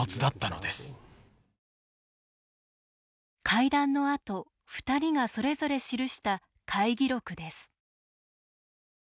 会談のあと２人がそれぞれ記した会議録です。